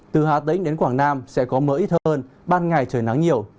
từ hà tĩnh đến quảng nam sẽ có mưa ít hơn ban ngày trời nắng nhiều